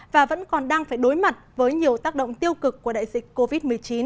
và vẫn còn đang phải đối mặt với nhiều tác động tiêu cực của đại dịch covid một mươi chín